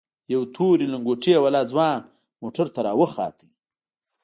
يو تورې لنگوټې والا ځوان موټر ته راوخوت.